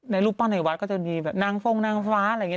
รูปปั้นในวัดก็จะมีแบบนางฟงนางฟ้าอะไรอย่างนี้